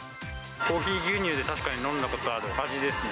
コーヒー牛乳で確かに飲んだことある味ですね。